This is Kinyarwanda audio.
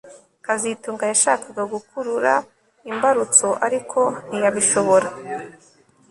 kazitunga yashakaga gukurura imbarutso ariko ntiyabishobora